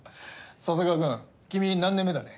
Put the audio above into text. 笹川君君何年目だね？